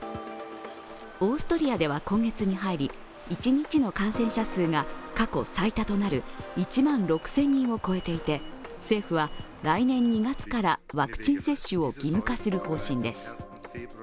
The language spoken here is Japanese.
オーストリアでは今月に入り一日の感染者数が過去最多となる１万６０００人を超えていて政府は来年２月からワクチン接種を義務化する方針です。